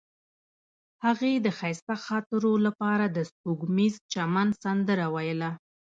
هغې د ښایسته خاطرو لپاره د سپوږمیز چمن سندره ویله.